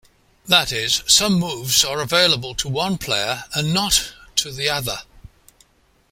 That is, some moves are available to one player and not to the other.